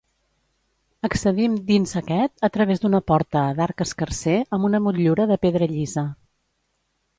Accedim dins aquest a través d'una porta d'arc escarser amb una motllura de pedra llisa.